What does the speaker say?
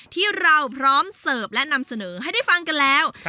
ที่เราพร้อมเสิร์ฟและนำเสนอให้ได้ฟังกันแล้ว